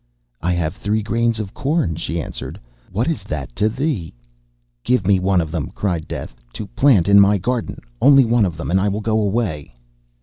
'I have three grains of corn,' she answered; 'what is that to thee?' 'Give me one of them,' cried Death, 'to plant in my garden; only one of them, and I will go away.